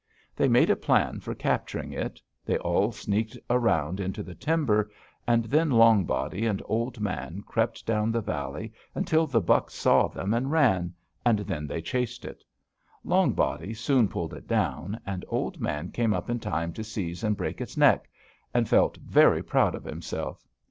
They made a plan for capturing it. They all sneaked around into the timber, and then Long Body and Old Man crept down the valley until the buck saw them and ran, and then they chased it. Long Body soon pulled it down, and Old Man came up in time to seize and break its neck, and felt very proud of himself.